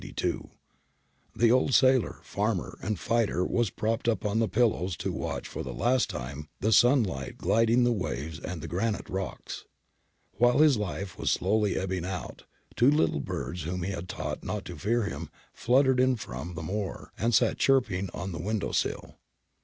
The old sailor, farmer, and fighter was propped up on the pillows to watch for the last time the sunlight gilding the waves and the granite rocks. While his life was slowly ebbing out, two little birds whom he had taught not to fear him fluttered in from the moor, and sat chirping on the window sill.